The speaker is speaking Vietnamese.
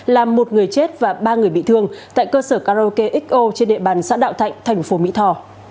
làm một người chết và ba người bị thương tại cơ sở karaoke xo trên địa bàn xã đạo thạnh tp mỹ tho